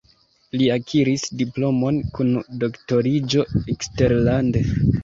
Li akiris diplomon kun doktoriĝo eksterlande.